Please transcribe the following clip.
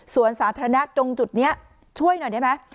ส่วนสาธารณะตรงจุดนี้ช่วยหน่อยได้ไหม